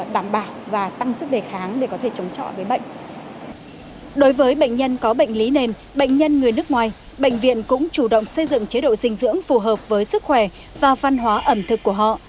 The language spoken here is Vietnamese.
đối với bệnh nhân có bệnh lý nền bệnh nhân người nước ngoài bệnh viện cũng chủ động xây dựng chế độ dinh dưỡng phù hợp với sức khỏe và văn hóa ẩm thực của họ